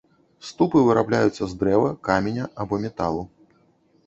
Ступы вырабляюцца з дрэва, каменя або металу.